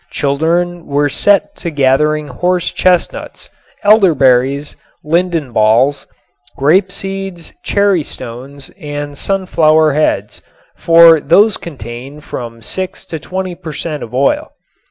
Children were set to gathering horse chestnuts, elderberries, linden balls, grape seeds, cherry stones and sunflower heads, for these contain from six to twenty per cent. of oil.